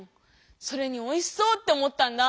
それに「おいしそう」って思ったんだ！